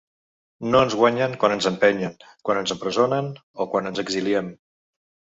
No ens guanyen quan ens empenyen, quan ens empresonen o quan ens exiliem.